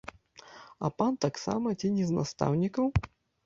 А пан таксама ці не з настаўнікаў?